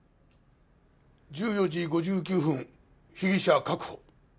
１４時５９分被疑者確保。